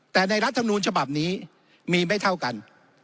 แต่ในรัฐธรรมนูลฉบับนี้มีไม่เท่ากัน